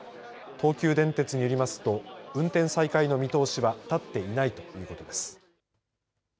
東急電鉄によりますと、運転再開の見通しは立っていないということです。